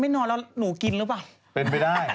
นอนแล้วหนูกินหรือเปล่าเป็นไปได้